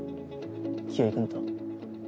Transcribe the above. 清居君と。